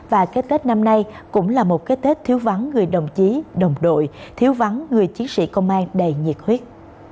và cái tết năm nay cũng là một cái tết thiếu vắng người đồng chí đồng đội thiếu vắng người chiến sĩ công an đầy nhiệt huyết